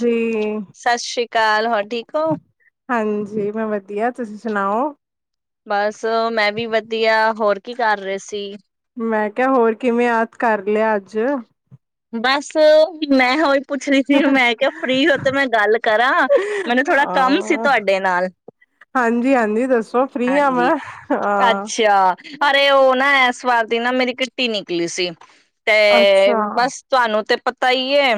ਜੀ ਸਤਿ ਸ੍ਰੀ ਅਕਾਲ ਹੋਰ ਠੀਕ ਹੋ। ਹਾਂਜੀ ਮੈਂ ਵਧੀਆ ਤੁਸੀਂ ਸੁਣਾਓ। ਬਸ ਮੈਂ ਵੀ ਵਧੀ ਵਧੀਆ ਹੋਰ ਕੀ ਕਰ ਰਹੇ ਸੀ। ਮੈਂ ਕਿਹਾ ਹੋਰ ਕਿਵੇਂ ਯਾਦ ਕਰ ਲਿਆ ਅੱਜ ਬੱਸ ਮੈਂ ਹੋ ਪੁੱਛਣੀ ਸੀ, ਮੈਂ ਕਿਹਾ ਫਰੀ ਹੋ ਤੇ ਮੈਂ ਗੱਲ ਕਰਾਂ ਮੈਨੂੰ ਥੋੜਾ ਕੰਮ ਸੀ, ਅ ਤੁਹਾਡੇ ਨਾਲ ਹਾਂਜੀ ਹਾਂਜੀ ਦੱਸੋ ਫ੍ਰਰੀ ਆ ਮੈਂ ਹਾਂਜੀ ਅ ਅੱਛਾ ਤੇ ਉਹ ਨਾ ਇਸ ਸ ਵਾਰ ਦੀ ਨਾ ਮੇਰੀ ਕਿਟੀ ਨਿਕਲੀ ਸੀ। ਤੇ ਅੱਛਾ ਬਸ ਤੁਾਨੂੰ ਤੇ ਪਤਾ ਹੀ ਹੈ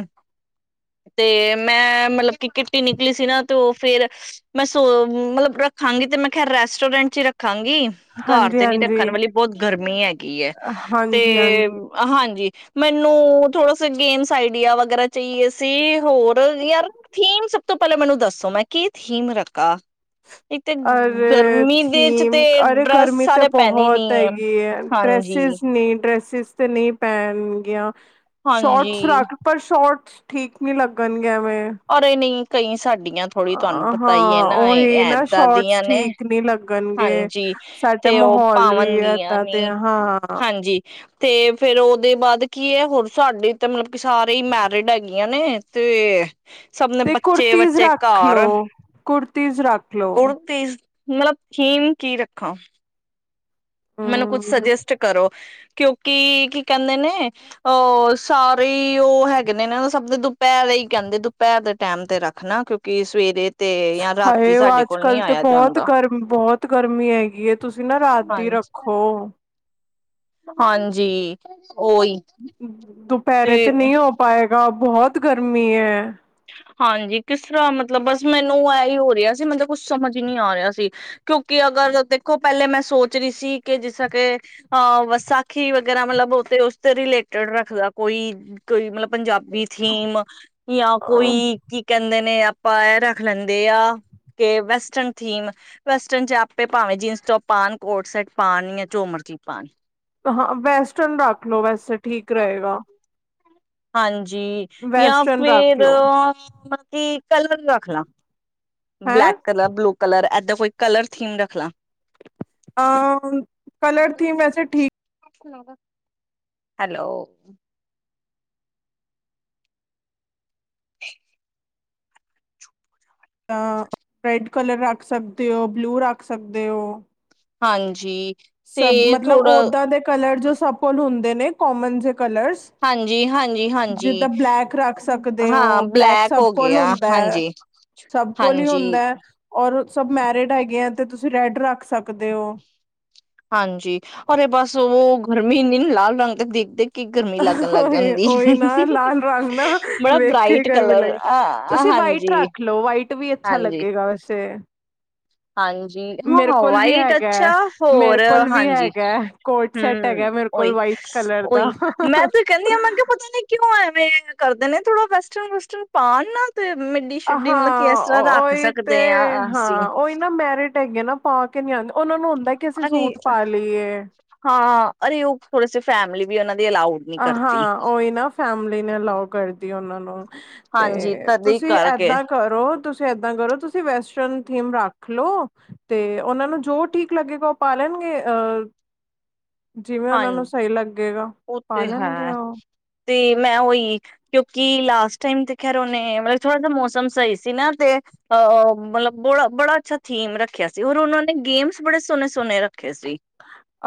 ਤੇ ਮੈਂ ਮਤਲਬ ਕਿ ਕਿਟੀ ਨਿਕਲੀ ਸੀ ਨਾ ਤੇ ਉਹ ਫੇਰ ਮੈਂ ਸੋ ਮਤਲਬ ਰੱਖਾਂਗੀ ਤੇ ਮੈਂ ਖੈਰ ਰੈਸਟੋਰੈਂਟ 'ਚ ਹੀ ਰੱਖਾਂਗੀ। ਕੀ ਘਰ ਹਾਂਜੀ ਤੇ ਨੀ ਹਾਂਜੀ ਰੱਖਣ ਵਾਲੀ ਬਹੁਤ ਗਰਮੀ ਹੈਗੀ ਹੈ ਤੇ ਹਾਂਜੀ ਹਾਂਜੀ ਹਾਂਜੀ ਮੈਨੂੰ ਥੋੜਾ ਗੇਮਸ ਆਈਡੀਆ ਵਗੈਰਾ ਚਾਹੀਏ ਸੀ, ਹੋਰ ਯਾਰ ਥੀਮ ਸਭ ਤੋਂ ਪਹਿਲਾਂ ਮੈਨੂੰ ਦੱਸੋ ਮੈਂ ਕੀ ਥੀਮ ਰੱਖਾ ਇੱਕ ਤੇ ਅਰੇ ਗਰਮੀ ਦੇ ਚ ਤੇ ਥੀਮ ਅਰੇ ਡਰੈਸ ਗਰਮੀ ਤਾਂ ਸਾਰੇ ਪਹਿਨੇ ਨੀ ਬਹੁਤ ਹੈਗੀ ਹੈ ਹਾਂਜੀ ਡ੍ਰੈਸਿਸ ਨਹੀਂ ਡ੍ਰੈਸਿਸ। ਤੇ ਨਹੀਂ ਪੈਣਗੀਆਂ। ਸ਼ੋਟਸ ਹਾਂਜੀ ਰੱਖ ਪਰ ਸ਼ੋਟਸ। ਠੀਕ ਨੀ ਲੱਗਣ ਨ। ਅਰੇ ਨਹੀਂ। ਕਈਂ ਸਾਡੀਆਂ ਥੋੜ੍ਹੀ ਤੁਹਾਨੂੰ ਪਤਾ ਹੀ ਹੈ ਹਾਂ ਨਾ ਇਹ ਉਹੀ ਨਾ ਇਏਦਾਂ ਸ਼ੋਟਸ ਦੀਆਂ ਨੇ ਠੀਕ ਨਹੀਂ ਲੱਗਣਗੇ ਹਾਂਜੀ ਸਾਡਾ ਤੇ ਉਹ ਮਾਹੌਲ ਵੀ ਪਾਵਨਗੀਆਂ ਏਦਾਂ ਦੇ ਨੀ ਹਾਂ ਹਾਂਜੀ। ਤੇ ਫਿਰ ਉਹਦੇ ਬਾਅਦ ਕੀ ਐ ਹੋਰ ਸਾਡੇ ਤਾਂ ਮਤਲਬ ਕਿ ਸਾਰੇ ਈ ਮੈਰਿਡ ਹੈਗੀਆਂ ਨੇ ਤੇ ਸਭ ਨੇ ਤੇ ਬੱਚੇ ਕੁੁਰਤੀਜ਼ ਬੱਚੇ ਰੱਖ ਲੋ ਕੂੜ। ਤੀਸਰਾ। ਕੁੜਤਿਜ ਮਤਲਬ ਥੀਮ ਕੀ ਰੱਖਾਂ। ਮੈਨੂੰ ਕੁੱਛ ਹਮ ਸੁਜੈਸਟ ਕਰੋ। ਕਿਉਂਕਿ ਕੀ ਕਹਿੰਦੇ ਨੇ ਅਹ ਸਾਰੇ ਹੀ ਉਹ ਹੈਗੇ ਨੇ ਉਹ ਸਭ ਦੇ ਦੁਪਹਿਰ ਹੀ ਕਹਿੰਦੇ ਦੁਪਹਿਰ ਦੇ ਟਾਈਮ ਤੇ ਰੱਖਣਾ ਕਿਉਂਕਿ ਸਵੇਰੇ। ਤੇ ਜਾਂ ਰਾਤੀ ਹਾਏ ਉਹ ਸਾਡੇ ਅੱਜ ਕੋਲ ਨੀ ਕੱਲ ਤਾਂ ਆਇਆ ਬਹੁਤ ਜਾਂਦਾ ਗਰਮ ਬਹੁਤ ਗਰਮੀ ਹੈਗੀ ਏ। ਤੁਸੀਂ ਨਾ ਰਾਤੀ ਹਾਂਜੀ ਰੱਖੋ। ਹਾਂਜੀ। ਉਹੀ ਦੁਪਹਿਰੇ ਤੇ ਨਹੀਂ ਹੋ ਪਾਏ। ਗਾ ਬਹੁਤ ਗਰਮੀ ਏ। ਹਾਂਜੀ ਕਿਸ ਤਰ੍ਹਾਂ ਮਤਲਬ ਬਸ ਮੈਨੂੰ ਇਹਹੀ ਹੋ ਰਿਹਾ ਸੀ ਮਤਲਬ ਕੁਛ ਸਮਝ ਹੀ ਨੀ ਆ ਰਿਹਾ ਸੀ ਕਿਉਂਕਿ ਅਗਰ ਦੇਖੋ ਪਹਿਲੇ ਮੈਂ ਸੋਚ ਰਹੀ ਸੀ ਕਿ ਜਿਸ ਤਰ ਕਿ ਅ ਵਸਾਖੀ ਵਗੈਰਾ ਮਤਲਬ ਉਸ ਰਿਲੇਟਡ ਰੱਖਦਾ ਕੋਈ ਕੋਈ ਮਤਲਬ ਪੰਜਾਬੀ ਥੀਮ। ਕੋਈ ਕੀ ਕਹਿੰਦੇ ਨੇ। ਆਪਾਂ ਇਹ ਰੱਖ ਲੈਂਦੇ ਆ ਕਿ ਵੈਸਟਰਨ ਥੀਮ ਵੈਸਟਰਨ ਚ ਆਪੇ ਭਾਵੇਂ ਜੀਨਸ ਟੋਪ ਪਾਉਣ ਕੋਟ ਸ਼ਟ ਪਾਉਣ ਜਾਂ ਚੋ ਮਰਚੀ ਪਾਉਣ। ਹਾਂ ਵੇਸ੍ਟਨ ਰੱਖ ਲੋ ਵੈਸੇ। ਠੀਕ ਰਹੇਗਾ। ਹਾਂਜੀ। ਜੀ ਜਾਂ ਵੈਸਟਰਨ ਫੇਰ ਰੱਖ ਲੋ ਬੱਤੀ ਕੀ ਕਲਰ ਰੱਖਲਾ। ਹੈਂ ਬਲੈਕ ਕਲਰ ਬਲੂ ਕਲਰ। ਔਰ ਇਦਾਂ ਕੋਈ ਕਲਰ ਥੀਮ ਰੱਖਨਾ। ਅ ਕਲਰ ਥੀਮ‌ ਵੈਸੇ ਠੀਕ। [unintelligible] ਹੈਲੋ, [inaudible] ਜਾਂ ਰੈਡ ਕਲਰ ਰੱਖ ਸਕਦੇ ਹੋ ਬਲੂ ਰੱਖ ਸਕਦੇ ਹੋ। ਹਾਂਜੀ। ਤੇ ਸਭ ਮਤਲਬ ਥੋੜਾ ਓਹਦਾ ਦੇ ਕਲਰ ਜੋ ਸਭ ਕੋਲ ਹੁੰਦੇ ਨੇ ਕੋਮਨ ਜੇ ਕਲਰਸ। ਹਾਂਜੀ, ਹਾਂਜੀ, ਜਿੱਦਾਂ ਹਾਂਜੀ। ਬਲੈਕ ਰੱਖ ਸਕਦੇ ਹਾਂ ਹੋ ਬਲੈਕ ਸਭ ਹੋ ਕੋਲ ਗਿਆ, ਹੁੰਦਾ ਹੈ ਹਾਂਜੀ, ਸਭ ਕੋਲ ਹੀ ਹਾਂਜੀ, ਹੁੰਦਾ ਹੈ ਔਰ ਸਭ ਮੈਰਿਡ ਹੈਗੇ ਆ ਤੇ ਤੁਸੀਂ ਰੈਡ ਰੱਖ ਸਕਦੇ ਹੋ। ਹਾਂਜੀ ਅਰੇ ਬਸ ਉਹ ਗਰਮੀ ਇੰਨੀ ਲਾਲ ਰੰਗ ਤੇ ਦੇਖਦੇ ਹੀ ਉਹੀ ਉਹੀ ਨਾ ਲਾਲ ਰੰਗ ਨਾ ਬੜਾ ਵੇਖ ਕੇ ਹੀ ਬਰਾਈਟ ਗਰਮੀ ਕਲਰ ਲੱਗਦੀ, ਅ ਤੁਸੀਂ ਵਾਈਟ ਹਾਂਜੀ, ਰੱਖ ਲਓ ਵਾਈਟ ਵੀ ਅੱਛਾ ਹਾਂਜੀ। ਲੱਗੇਗਾ ਵੈਸੇ। ਹਾਂਜੀ ਮੇਰੇ ਹਾਂ ਕੋਲ ਵੀ ਵਾਈਟ ਹੈਗਾ ਅੱਛਾ ਹੈ, ਮੇਰੇ ਹੋਰ ਕੋਲ ਵੀ ਹਾਂਜੀ ਹੈਗਾ ਹੈ, ਕੋਟ ਸੈਟ ਹਮ ਹੈਗਾ ਮੇਰੇ ਕੋਲ ਓਹੀ ਵਾਈਟ ਕਲਰ ਦਾ। ਓਹੀ ਮੈਂ ਤੇ ਕਹਿੰਦੀ ਹ ਮੈਂ ਕਿਹਾ ਪਤਾ ਨੀ ਕਿਉਂ ਐਵੇਂ ਕਰਦੇ ਨੇ ਥੋੜ੍ਹਾ ਵੈਸਟਰਨ ਵਸਟਰਨ ਪਾਉਣ ਨਾ ਤੇ ਮਿੱਡੀ ਸ਼ਿੱਡੀ ਮਤਲਬ ਇਸ ਹਾਂ ਤਰ੍ਹਾਂ ਉਹ- ਰੱਖ ਉਹੀ ਤੇ ਸਕਦੇ ਹਾਂ ਅਸੀਂ ਨਾ ਮੈਰਿਟ ਹੈਗੇ ਨਾ ਪਾ ਕੇ ਨਹੀ ਆਉਂਦੇ ਉਹਨਾਂ ਨੂੰ ਕਿ ਅਸੀਂ ਅਰੇ ਸੂਟ ਪਾ ਲਈਏ। ਹਾਂ ਅਰੇ ਉਹ ਥੋੜੇ ਸੇ ਫੈਮਲੀ ਵੀ ਉਨ੍ਹਾਂ ਹਾਂ ਉਹੀ ਨਾ ਫੈਮਿਲੀ ਨੇ ਅਲਾਓ ਕਰਦੀ ਉਹਨਾਂ ਨੂੰ। ਹਾਂਜੀ ਤੇ ਤਦੇ ਤੁਸੀਂ ਕਰਕੇ ਏਦਾਂ ਕਰੋ ਤੁਸੀਂ ਏਦਾਂ ਕਰੋ ਤੁਸੀਂ ਵੈਸ ਥੀਮ ਰੱਖ ਲੋ ਤੇ ਉਹਨਾਂ ਨੂੰ ਜੋ ਠੀਕ ਲੱਗੇਗਾ ਉਹ ਪਾ ਲੈਣਗੇ ਅ ਜਿਵੇਂ ਉਹਨਾਂ ਨੂੰ ਹਾਂਜੀ ਸਹੀ ਲੱਗੇਗਾ। ਉਹ ਪਾ ਤੇ ਲੈਣਗੇ ਹੈ ਉਹ। ਤੇ ਮੈਂ ਉਹੀ ਕਿਉਂਕਿ ਲਾਸਟ ਟਾਈਮ ਤੇ ਖੈਰ ਉਹਨੇ ਮਤਲਬ ਥੋੜਾ ਜਾ ਮੌਸਮ ਸਹੀ ਸੀ ਨਾ ਤੇ ਅਹ ਮਤਲਬ ਬ ਬੜਾ ਅੱਛਾ ਥੀਮ ਰੱਖਿਆ ਸੀ ਔਰ ਉਹਨਾਂ ਨੇ ਗੇਮਸ ਬੜੇ ਸੋਹਣੇ ਸੋਹਣੇ ਰੱਖੇ ਸੀ।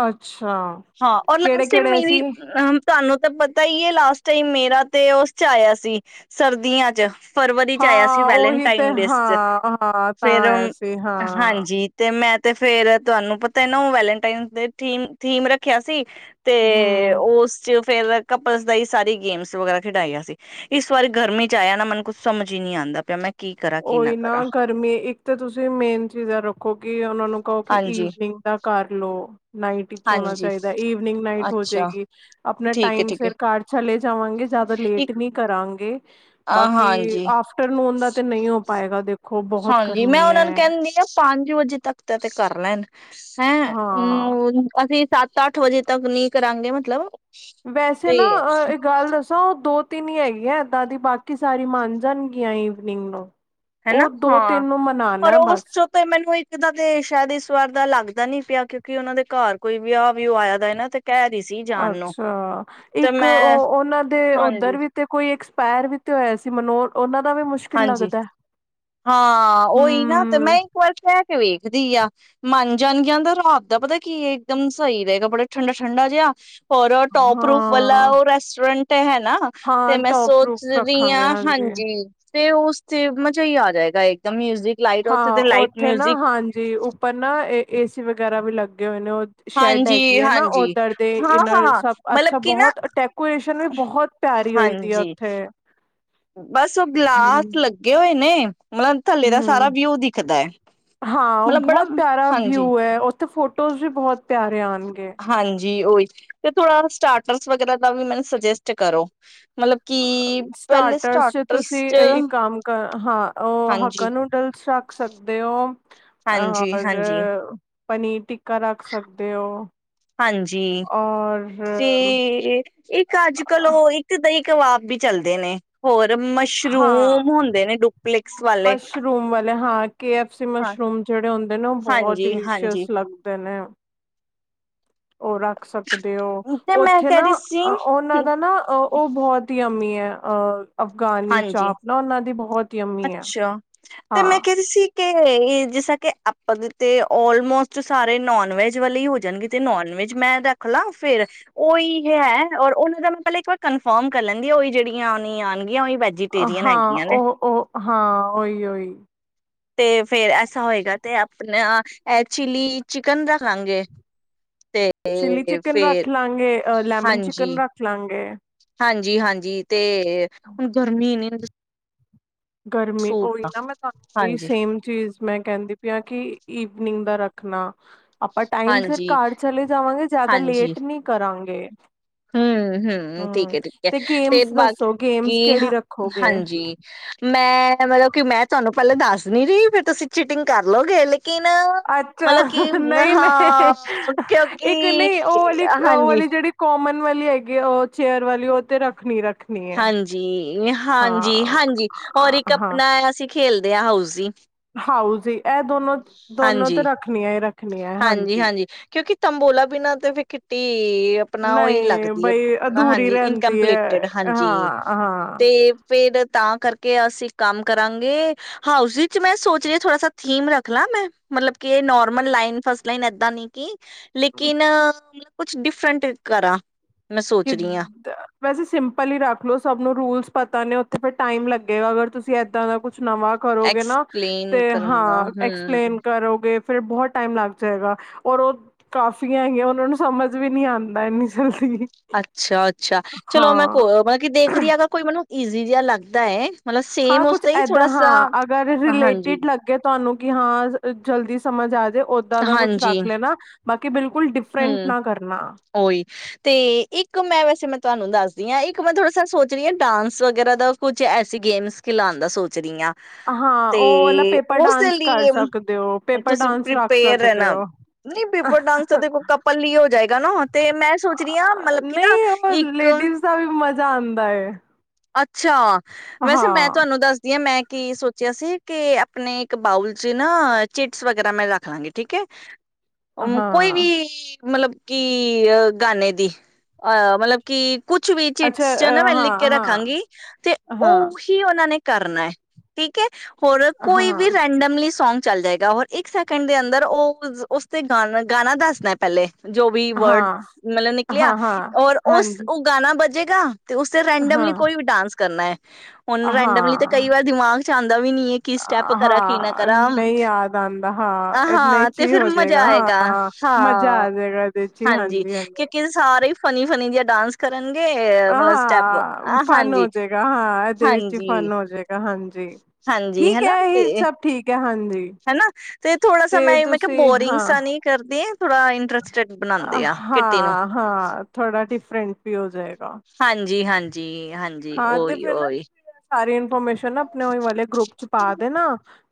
ਅੱਛਾ ਕਿਹੜੇ ਕਿਹੜੇ ਸੀ? ਰਾਮ ਤੁਹਾਨੂੰ ਤੇ ਪਤਾ ਹੀ ਹੈ, ਲਾਸਟ ਟਾਈਮ ਮੇਰਾ ਤੇ ਉਸ ਚ ਆਇਆ ਸੀ ਸਰਦੀਆਂ ਚ। ਫਰਵਰੀ ਚ ਆਇਆ ਸੀ ਹਾਂ ਉਹੀ ਤੇ ਵੈਲੇਨਟਾਈਨ ਡੇਸ ਚ ਹਾਂ-ਹਾਂ ਤਾਂ ਫਿਰ ਆਇਆ ਸੀ ਹਾਂ ਹਾਂਜੀ ਤੇ ਮੈਂ ਤੇ ਫੇਰ ਤੁਹਾਨੂੰ ਪਤਾ ਨਾ ਉਹ ਵੈਲੇਟਾਈਨ ਥੀਮ ਥੀਮ ਰੱਖਿਆ ਸੀ। ਤੇ ਹਮ ਉਸ ਫੇਰ ਕਪਲਸ ਦਾ ਹੀ ਸਾਰੀ ਗੇਮਸ ਵਗੈਰਾ ਖਿਡਾਇਆ ਸੀ। ਇਸ ਵਾਰੀ ਗਰਮੀ ਚ ਆਇਆ ਨਾ ਮੈਨੂੰ ਕੁਛ ਸਮਝ ਹੀ ਨਹੀਂ ਆਉਂਦਾ ਪਿਆ ਮੈਂ ਕੀ ਕਰਾਂ ਕੀ ਉਹੀ ਕਰਾਂ ਨਾ ਗਰਮੀ ਇੱਕ ਤਾਂ ਤੁਸੀਂ ਮੇਨ ਚੀਜ਼ਾਂ ਰੱਖੋ ਕਿ ਉਹਨਾਂ ਨੂੰ ਕਹੋ ਕਿ ਹਾਂਜੀ ਈਵਨਿੰਗ ਦਾ ਕਰ ਲਓ ਨਾਈਟ ਵਿਚ ਹੋਣਾ ਹਾਂਜੀ ਚਾਹੀਦਾ ਈਵਨਿੰਗ ਨਾਈਟ ਹੋ ਅੱਛਾ ਜਾਏਗੀ। ਆਪਣਾ ਠੀਕ ਹੈ ਟਾਈਮ ਠੀਕ ਹੈ ਸਿਰ ਘਰ ਚਲੇ ਜਾਵਾਂਗੇ ਜਿਆਦਾ ਲੇਟ ਇੱਕ ਨੀ ਕਰਾਂਗੇ। ਅ ਬਾਕੀ ਹਾਂਜੀ ਆਫਟਰਨੂਨ ਦਾ ਤੇ ਨਹੀਂ ਹੋ ਪਾਏਗਾ ਦੇਖੋ ਬਹੁਤ ਹਾਂਜੀ ਮੈਂ ਗਰਮੀ ਉਹਨਾਂ ਨੂੰ ਹੈ ਕਹਿੰਦੀ ਆ ਪੰਜ ਵਜੇ ਤੱਕ ਦਾ ਤੇ ਕਰ ਲੈਣ। ਹੈਂ ਹਾਂ ਹਮ ਅਸੀਂ ਸੱਤ ਅੱਠ ਵਜੇ ਤੱਕ ਨੀ ਕਰਾਂਗੇ ਮਤਲਬ ਵੈਸੇ ਤੇ ਨਾ ਇੱਕ ਗੱਲ ਦੱਸਾਂ, ਉਹ ਦੋ ਤਿੰਨ ਹੀ ਹੈਗੀ ਆ ਇੱਦਾਂ ਦੀ, ਬਾਕੀ ਸਾਰੀ ਮੰਨ ਜਾਣਗੀਆਂ ਈਵਨਿੰਗ ਨੂੰ। ਹਨਾ? ਉਹ ਦੋ ਹਾਂ। ਤਿੰਨ ਨੂੰ ਮਨਾਣਾ ਪਰ ਹੈ ਉਸ ਬਸ ਚ ਤੇ ਮੈਨੂੰ ਇੱਕ ਦਾ ਤੇ ਸ਼ਾਇਦ ਇਸ ਵਾਰ ਦਾ ਲੱਗਦਾ ਨੀ ਪਿਆ ਕਿਉ ਕਿ ਉਹਨਾਂ ਦੇ ਘਰ ਕੋਈ ਵਿਆਹ ਵਿਊ ਆਇਆ ਦਾ ਨਾ ਤੇ ਕਹਿ ਰਹੀ ਸੀ ਜਾਣ ਨੂੰ ਅੱਛਾ। ਤੇ ਇੱਕ ਮੈਂ ਉਹ ਉਹਨਾਂ ਦੇ ਉੱਧਰ ਹਾਂਜੀ ਵੀ ਤੇ ਕੋਈ ਇੱਕ ਪੈਰ ਵੀ ਤੇ ਹੋਇਆ ਸੀ ਮਨੋਹਰ ਉਹਨਾਂ ਦਾ ਵੀ ਮੁਸ਼ਕਿਲ ਹਾਂਜੀ। ਲੱਗਦਾ ਹਾਂ ਉਹੀ ਨਾ ਤੇ ਮੈਂ ਹਮ ਇੱਕ ਵਾਰ ਕਹਿ ਕੇ ਵੇਖਦੀ ਆ। ਮੰਨ ਜਾਣ ਗਈਆਂ ਤਾਂ ਰਾਤ ਦਾ ਪਤਾ ਕੀ ਏ, ਇੱਕਦਮ ਸਹੀ ਰਹੇਗਾ ਬੜਾ ਠੰਡਾ ਠੰਡਾ ਜਿਹਾ। ਹੋਰ ਉਹ ਟੋਪ ਰੂਫ ਵਾਲਾ ਹਾਂ ਉਹ ਰੈਸਟੋਰੈਂਟ ਤੇ ਹੈ ਨਾ ਤੇ ਹਾਂ ਮੈਂ ਟੋਪ ਸੋਚ ਰੂਫ ਰੀਆਂ, ਰੱਖਾਂਗੇ ਹਾਂਜੀ। ਤੇ ਉਸ ਤੇ ਮਜ਼ਾ ਈ ਆ ਜਾਏਗਾ ਇੱਕਦਮ ਮਿਊਜ਼ਿਕ ਲਾਈਟ ਉੱਥੇ ਹਾਂ ਤੇ ਲਾਈਟ ਉੱਥੇ ਨਾ ਮਿਊਜ਼ਿਕ ਹਾਂਜੀ ਉੱਪਰ ਨਾ ਇਹ ਏ ਸੀ ਵਗੈਰਾ ਵੀ ਲੱ ਦੇ ਹੋਏ ਨੇ, ਉਹ ਸ਼ੈਡ ਹਾਂਜੀ ਹੈਗੀ ਹੈ ਨਾ ਹਾਂਜੀ ਉੱਧਰ ਦੇ ਹਾਂ ਇਨਰ ਹਾਂ ਸਭ ਮਤਲਬ ਅੱਛਾ ਕਿ ਨਾ ਬਹੁਤ ਡੈਕੋਰੇਸ਼ਨ ਵੀ ਬਹੁਤ ਪਿਆਰੀ ਹੋਈ ਦੀ ਆ ਹਾਂਜੀ ਉੱਥੇ। ਬਸ ਉਹ ਗਲਾਸ ਹਮ ਲੱਗੇ ਹੋਏ। ਨੇ ਮਤਲਬ ਥੱਲੇ ਦਾ ਹਮ ਸਾਰਾ ਵਿਊ ਦਿਖਦੈ। ਹਾਂ ਬਹੁਤ ਪਿਆਰਾ ਵਿਊ ਐ, ਉੱਥੇ ਫੋਟੋਜ਼ ਵੀ ਬਹੁਤ ਪਿਆਰੇ ਆਣਗੇ। ਹਾਂਜੀ ਉਹੀ ਤੇ ਥੋੜਾ ਸਟਾਰਟਰਸ ਵਗੈਰਾ ਦਾ ਵੀ ਮੈਨੂੰ ਸੁਜੈੱਜਟ ਕਰੋ। ਮਤਲਬ ਕਿ ਪਹਿਲੇ ਚ ਸਟਾਰਟਰਸ ਤੁਸੀਂ ਚ ਅ, ਇੱਕ ਕੰਮ ਕਰ ਹਾਂ। ਉਹ ਹਾਂਜੀ ਹਾਕਾ ਨੂਡਲਸ ਰੱਖ ਸਕਦੇ ਹੋ। ਹਾਂਜੀ ਔਰ ਹਾਂਜੀ ਪਨੀਰ ਟਿ ਹਾਂਜੀ। ਔਰ ਤੇ ਇੱਕ ਅੱਜ ਕਲ ਉਹ ਇੱਕ ਦਈਂ ਕਬਾਬ ਵੀ ਚੱਲਦੇ ਨੇ। ਹੋਰ ਹਾਂ। ਮਸ਼ਰੂਮ ਹੁੰਦੇ ਨੇ ਡੁਪਲਿਕਸ ਵਾਲੇ ਮਸ਼ਰੂਮ ਵਾਲੇ। ਹਾਂ ਕੇ ਐਫ ਸੀ ਹਾਂ ਮਸ਼ਰੂਮ ਜਿਹੜੇ ਹੁੰਦੇ ਨੇ ਉਹ ਬਹੁਤ ਹਾਂਜੀ ਹਾਂਜੀ ਡਿਲੀਸ਼ੀਅਸ ਲੱਗਦੇ ਨੇ। ਉਹ ਰੱਖ ਸਕਦੇ ਹੋ ਤੇ ਮੈਂ ਉੱਥੇ ਕਹਿ ਨਾ ਰਹੀ ਸੀ ਉਹਨਾਂ ਦਾ ਨਾ ਉਹ ਬਹੁਤ ਹੀ ਯਮੀ ਐ। ਆ ਅਫਗਾਨੀ ਹਾਂਜੀ ਚਾਪ ਨਾ ਉਹਨਾਂ ਦੀ ਬਹੁਤ ਯਮੀ ਐ, ਅੱਛਾ ਤੇ ਮੈਂ ਹਾਂ। ਕਹਿ ਰਹੀ ਸੀ ਕਿ ਇਹ ਜਿਸ ਤਰ੍ਹਾਂ ਕਿ ਆਪਾਂ ਤੇ ਅਲਮੋਸਟ ਸਾਰੇ ਨੋਨ ਵੈਜ ਵਾਲੇ ਹੀ ਹੋ ਜਾਣਗੇ ਤੇ ਨੋਨ ਵੈਜ ਮੈਂ ਰੱਖ ਲਾਂ ਫਿਰ ਓਹੀ ਹੈ, ਔਰ ਉਹਨਾਂ ਦਾ ਮੈਂ ਪਹਿਲਾਂ ਇੱਕ ਵਾਰ ਕਨਫਰਮ ਕਰ ਲੈਂਦੀ ਓਹੀ ਜਿਹੜੀਆਂ ਉਹ ਨਹੀਂ ਆਣਗ [unintelligible] ਆ ਹਾਂ, ਓਹ ਓਹ ਹਾਂ ਓਹੀ ਓਹੀ। ਤੇ ਫੇਰ ਐਸਾ ਹੋਏਗਾ ਤੇ ਆਪਣਾ ਐਹ ਚਿਲੀ ਚਿਕਨ ਰਖ ਲਾਂਗੇ। ਚਿਲੀ ਤੇ ਚਿਕਨ ਰੱਖ ਫੇਰ ਲਾਂਗੇ ਅ ਲੈਮਨ ਹਾਂਜੀ ਚਿਕਨ ਰੱਖ ਲਾਂਗੇ। ਹਾਂਜੀ ਹਾਂਜੀ ਤੇ ਹੁਣ ਗਰਮੀ ਕੀ ਨਿਊਜ਼ ਗਰਮੀ ਓਹੀ ਨਾ ਮੈਂ ਤਾ ਓਹੀ ਹਾਂਜੀ ਸੇਮ ਚੀਜ਼ ਮੈਂ ਕਹਿੰਦੀ ਪਈ ਆ ਕਿ ਈਵਨਿੰਗ ਦਾ ਰਖ ਰੱਖਣਾ। ਆਪਾਂ ਟਾਈਮ ਸਿਰ ਹਾਂਜੀ ਕਾਰ ਚਲੇ ਜਾਵਾਂਗੇ। ਜਿਆਦਾ ਲੇਟ ਨੀ ਕਰਾਂਗੇ। ਹੂ ਹੂ, ਠੀਕ ਹਮ ਹੈ ਠੀਕ ਹੈ। ਤੇ ਗੇਮਸ ਦੱਸੋ ਬਾਕੀ ਗੇਮਸ ਕਿਹੜੀ ਹ ਰੱਖੋਗੇ ਹਾਂਜੀ। ਮੈਂ ਮਤਲਬ ਕਿ ਮੈਂ ਤੁਹਾਨੂੰ ਪੈਲੇ ਦੱਸ ਨੀ ਰੀ ਫੇਰ ਤੁਸੀਂ ਚਿਟਿੰਗ ਕਰ ਲਓਗੇ। ਅੱਛਾ, ਨਹੀਂ ਹਾਂ ਨਹੀਂ ਕਿਉਂਕਿ ਇੱਕ ਨ੍ਹੀਂ ਓਹ ਵਾਲੀ ਓਹ ਹਾਂਜੀ, ਵਾਲੀ ਜਿਹੜੀ ਕੋਮਨ। ਵਾਲੀ ਹੈਗੀ ਓਹ ਚੇਅਰ ਵਾਲੀ ਓਹ ਤੇ ਰੱਖਣੀ ਰੱਖ ਹਾਂਜੀ ਹਾਂਜੀ ਹਾਂਜੀ, ਹੋਰ ਇੱਕ ਅਪਣਾ ਅਸੀਂ ਖੇਲਦੇ ਆ ਹਾਊਸ ਜੀ। ਹਾਊਜੀ ਐ ਦੋਨੋ ਦੋਨੋ ਤੇ ਹਾਂਜੀ, ਰੱਖਣੀਆਂ ਈ ਰੱਖ ਰਖਣੀ ਐ, ਹਾਂਜੀ। ਕਿਉਂਕਿ ਤੰਬੋਲਾ ਬਿਨਾਂ ਤੇ ਫਿਰ ਖਿੱਟੀ ਤੇ ਆਪਣਾ ਉਹੀ ਨਹੀਂ ਲੱਗਦੀ ਹੈ ਬਈ ਅਧੂਰੀ ਹਾਂਜੀ ਰਹਿੰਦੀ ਹੈ ਇਨਕਪਲੀਟਡ ਹਾਂਜੀ ਹਾਂ ਹਾਂ ਤੇ ਫਿਰ ਤਾਂ ਕਰਕੇ ਅਸੀਂ ਕੰਮ ਕਰਾਂਗੇ। ਹਾਂ, ਉਸਦੇ ਚ ਮੈਂ ਸੋਚ ਰਹੀ ਆਂ ਥੋੜਾ ਸਾ ਥੀਮ ਰੱਖ ਲਾਂ ਮੈਂ? ਮਤਲਬ ਕਿ normal line first line ਏਦਾ ਨੀ ਕੀ ਲੇਕਿਨ ਕੁਛ ਡਿਫਰੈਂਟ ਕਰਾ ਕਿ ਦ ਵੈਸੇ ਸਿੰਪਲ ਈ ਰੱਖ ਲੋੋ, ਸਭ ਨੂੰ ਰੂਲਸ ਪਤਾ ਨੇ ਉ ਤੇ ਫਿਰ ਟਾਈਮ ਲੱਗੇਗਾ, ਅਗਰ ਤੁਸੀਂ ਇੱਦਾਂ ਦਾ ਕੁ ਕੁ ਨਵਾਂ ਕਰੋਗੇ ਨਾ ਐਕਸਪਲੇਨ ਤੇ ਕਰਨ ਦਾ ਹਾਂ ਹਮ ਐਕਸਪਲੇਨ ਕਰੋਗੇ ਫਿਰ ਬਹੁਤ ਟਾਈਮ ਲੱਗ ਜਾਏਗਾ। ਔਰ ਉਹ ਕਾਫੀਆਂ ਹੈਗੀਆਂ ਉਹਨਾਂ ਨੂੰ ਸਮਝ ਵੀ ਨਹੀਂ ਆਂਦਾ ਇੰਨੀ ਜਲਦੀ। ਅੱਛਾ ਅੱਛਾ ਚਲੋ ਮੈਂ ਹਾਂ ਕੋ ਮਤਲਬ ਕਿ ਦੇਖਦੀ ਆਗਾ ਕੋਈ ਮੈਨੂੰ ਈਜ਼ੀ ਜਿਹਾ ਲੱਗਦਾ ਹੈ। ਮਤਲਬ ਹਾਂ, ਸੇਮ ਕੁਛ ਉਸਦਾ ਹੀ ਏਦਾਂ ਥੋੜਾ ਸਾ ਹਾਂ। ਅਗਰ ਹਾਂਜੀ ਰਿਲੇਟਿਡ ਲੱਗੇ ਤੁਹਾਨੂੰ ਕਿ ਹਾਂ, ਜਲਦੀ ਸਮਝ ਆ ਜੇ ਓਦਾਂ ਦਾ ਕੁਛ ਹਾਂਜੀ ਰੱਖ ਲੈਣਾ ਬਾਕੀ ਕਿ ਬਿਲ ਕੁਲ ਡਿਫਰੈਂਟ ਨਾ ਕਰਨਾ। ਔ ਹੀ ਤੇ ਇੱਕ ਮੈਂ ਵੈਸੇ ਮਤਲਬ ਤੁਹਾਨੂੰ ਦੱਸਦੀ ਆਂ, ਇੱਕ ਮੈਂ ਥੋੜ੍ਹਾ ਸਾ ਸੋਚ ਰਹੀ ਆਂ ਡਾਂਸ ਵਗੈਰਾ ਦਾ, ਕੁਛ ਐਸੀ ਗੇਮਸ ਖਿਲਾਣ ਦਾ ਸੋਚ ਰਹੀ ਆਂ। ਹਾਂ ਤੇ ਉਹ ਵਾਲਾ ਪੇਪਰ ਉਸ ਦੇ ਡਾਂਸ ਕਰ ਲਈ ਅਮ ਸਕਦੇ ਹੋ ਪੇਪਰ ਤੁਸੀਂ ਡਾਂਸ ਰੱਖ ਪ੍ਰੀਪੇਅਰ ਸਕਦੇ ਰਹਿਨਾ। ਨੀ ਪੇਪਰ ਹੋ ਡਾਂਸਰ ਦੇਖੋ ਕਪਲ ਲਈ ਹੋ ਜਾਏਗਾ। [unintelligible] ਤੇ ਮੈਂ ਸੋਚ ਰਹੀ ਹਾਂ ਮਤਲਬ ਕਿ ਨਾ ਇੱਕ ਜਾਂਦਾ ਐ ਅੱਛਾ ਵੈਸੇ ਮੈਂ ਤੁਹਾਨੂੰ ਦੱਸਦੀ ਹਾਂ ਮੈਂ ਕੀ ਸੋਚਿਆ ਸੀ ਕਿ ਆਪਣੇ ਇੱਕ ਬਾਊਲ ਚ ਨਾ ਚਿਟਸ ਵਗੈਰਾ ਮੈਂ ਰੱਖ ਲਾਂਗੀ ਠੀਕ ਹੈ ਉਮ ਕੋਈ ਹਾਂ ਵੀ ਮਤਲਬ ਕਿ ਗਾਣੇ ਦੀ ਅਹ ਮਤਲਬ ਕਿ ਕੁਛ ਵੀ ਅੱਛਾ ਚਿਟਸ ਚ ਅ ਨਾ ਮੈਂ ਲਿਖ ਹਾਂ ਕੇ ਰੱਖ ਹਾਂ ਰੱਖਾਂਗੀ, ਤੇ ਹਾਂ ਉਹੀ ਉਹਨਾਂ ਨੇ ਕਰਨਾ ਹੈ ਠੀਕ ਹੈ ਹੋਰ ਹਾਂ ਹਾਂ ਕੋਈ ਵੀ ਰੈਂਮਡਮਲੀ ਸੌਂਗ ਚੱਲ ਜਾਏਗਾ ਹੋਰ ਇੱਕ ਸੈਕਿੰਡ ਦੇ ਅੰਦਰ ਉਹ ਉਸ ਤੇ ਗਾ ਗਾਣਾ ਦੱਸਦਾ ਪਹਿਲੇ। ਜੋ ਵੀ ਵਰਡ ਹਾਂ ਮਤਲਬ ਨਿਕਲਿਆ ਹਾਂ ਔਰ ਉਸ ਹਾਂਜੀ ਉਹ ਗਾਣਾ ਵੱਜੇ ਗਾ [unintelligible] ਤੇ ਉਸੇ ਹਾਂ ਰੈਂਡਮਲੀ ਕੋਈ ਵੀ ਡਾਂਸ ਕਰਨਾ ਹੈ। ਉਹਨੂੰ ਰੈਂਡਮਲੀ ਤੇ ਹਾਂ ਕਈ ਵਾਰ ਦਿਮਾਗ ਚ ਆਉਂਦਾ ਵੀ ਨੀ ਹੈ, ਕੀ ਸਟੈਪ ਕਰਾ ਕੀ ਨਾ ਹਾਂ ਕਰਾ ਨਹੀਂ ਯਾਦ ਆਂਦਾ ਹਾਂ ਏਨਾ ਈ ਹਾਂ, ਤੇ ਚੀ ਫਿਰ ਹੋ ਮਜ਼ਾ ਜੇਗਾ ਹਾਂ ਆਏਗਾ ਮਜ਼ਾ ਹਾਂ ਆ ਜੇਗਾ ਇਹਦੇ ਚ ਈ ਹਾਂਜੀ ਕਿਉਂਕਿ ਸਾਰੇ ਫਨੀ, ਫਨੀ ਜਿ ਡਾਂਸ ਕਰਨ ਕਿ ਮਤਲਬ ਸਟੈਪ ਹਾਂ ਫਨ ਹਾਂਜੀ, ਹੋਜਏਗਾ ਹਾਂ ਇਹਦੇ ਵਿੱਚ ਹੀ ਹਾਂਜੀ, ਫਨ ਹੋਜਏਗਾ ਹਾਂਜੀ। ਜ ਹਾਂਜੀ ਠੀਕ ਹਨਾ ਹੈ ਇਹ ਤੇ ਸਭ ਠੀਕ ਹੈ। ਹਾਂਜੀ ਹਨਾ ਤੇ ਥੋੜਾ ਸਮ ਮੈਂ ਤੇ ਮੈਂ ਕਿਹਾ ਤੁਸੀਂ ਬੋਰਿੰਗਸ ਹਾਂ ਨੀ ਕਰਦੀ। ਥੋੜਾ ਇੰਟਰਸਟਡ ਹਾਂ ਬਣਾਉਂਦੇ ਆ ਕਿੱਟੀ ਨੂੰ ਫਰੈਂਡ ਵੀ ਹੋ ਜਾਏ। ਹਾਂਜੀ- ਹਾਂਜੀ ਜੀ ਹਾਂਜੀ ਹਾਂ ਤੇ ਓਹੀ ਫਿਰ ਨਾ ਓਹੀ ਤੁਸੀਂ ਸਾਰੀ ਇਨਫੋਰਮੇਸ਼ਨ ਨਾ ਆਪਣੇ ਵਾਲੇ ਗਰੁੱਪ ਚ ਪਾ ਦੇ ਨਾ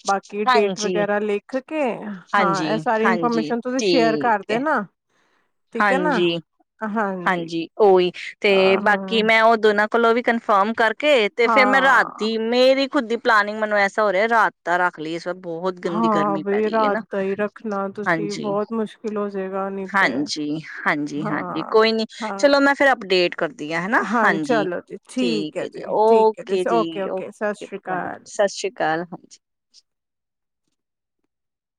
ਬਾਕੀ ਕੀ ਡੇਟ ਹਾਂਜੀ, ਵਗੈਰਾ ਲਿਖ ਕੇ ਹਾਂਜੀ, ਹਾਂ ਇਹ ਸਾਰੀ ਹਾਂਜੀ ਇਨਫੋਰਮੇਸ਼ਨ ਤੁਸੀਂ ਸ਼ੇਅਰ ਠੀਕ ਹੈ ਕਰਦੇ ਨਾ। ਹਾਂਜੀ। ਹਾਂਜੀ ਉਹੀ ਤੇ ਬਾਕੀ ਹਾਂ ਮੈਂ ਉਦੋ ਨਾ ਕਲੋਂ ਵੀ ਕਨਫਰਮ ਕਰਕੇ ਕੇ ਤੇ ਫਿਰ ਮੈਂ ਰਾ ਹਾਂ ਦੀ ਮੇਰੀ ਖੁੱਦੀ ਪਲਨਿੰਗ ਮੈਨੂੰ ਐਸ ਹੋ ਰਿਹਾ ਰਾਤ ਦਾ ਰੱਖ ਲਈਏ ਇਸ ਵ ਹਾਂ ਬਈ ਰਾਤ ਦਾ ਹੀ ਰੱਖਣਾ ਤੁਸੀਂ ਹਾਂਜੀ ਬਹੁਤ ਮੁਸ਼ਕਿਲ ਹੋਜੇਗਾ ਨੀ ਤੇ ਹਾਂਜੀ ਹਾਂਜੀ ਹਾਂਜੀ ਹਾਂ। ਕੋਈ ਨੀ ਹਾਂ ਚਲੋ ਮੈਂ ਫਿਰ ਅਪਡੇਟ ਕਰਦੀ ਹਾਂ ਹੈਨਾ ਹਾਂਜੀ ਚਲੋ ਜੀ ਠੀਕ ਹੈ। ਜੀ ਠੀਕ ਹੈ ਓਕੇ ਜੀ ਓਕੇ ਸਤਿ ਓਕੇ ਸ਼੍ਰੀ ਅਕਾਲ ਸਤਿ ਸ਼੍ਰੀ ਅਕਾਲ, ਹਾਂਜੀ।